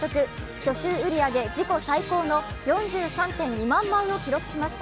初週売り上げ自己最高の４３．２万枚を記録しました。